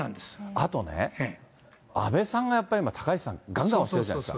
あとね、安倍さんがやっぱり、高市さん、がんがん推してるじゃないですか。